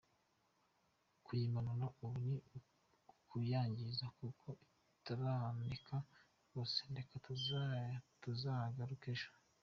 Kuyimanura ubu ni ukuyangiza kuko itaraneka rwose, reka tuzagaruke ejo;